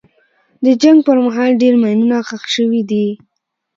د جنګ پر مهال ډېر ماینونه ښخ شوي دي.